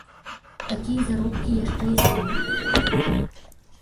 Такія заробкі яшчэ існуюць?